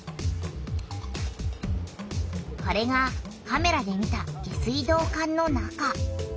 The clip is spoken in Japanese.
これがカメラで見た下水道管の中。